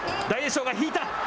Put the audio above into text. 大栄翔が引いた。